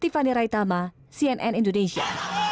tiffany raitama cnn indonesia